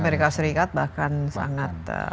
amerika serikat bahkan sangat